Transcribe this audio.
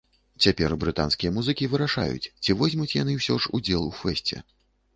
Цяпер брытанскія музыкі вырашаюць, ці возьмуць яны ўсё ж удзел у фэсце.